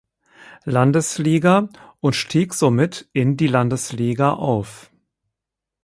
Landesliga und stieg somit in die Landesliga auf.